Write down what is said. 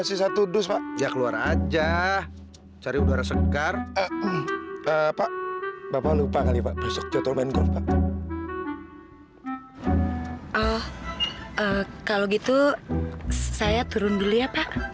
sampai jumpa di video selanjutnya